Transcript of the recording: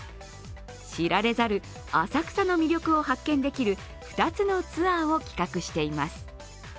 知られざる浅草の魅力を発見できる２つのツアーを企画しています。